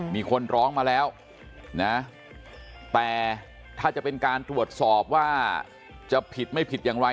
มีคนร้องมาแล้วนะแต่ถ้าจะเป็นการตรวจสอบว่าจะผิดไม่ผิดอย่างไร